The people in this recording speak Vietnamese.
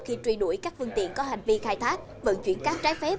khi truy đuổi các vương tiện có hành vi khai thác vận chuyển các trái phép